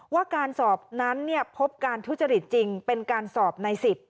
ว่าการสอบนั้นพบการทุจริตจริงเป็นการสอบใน๑๐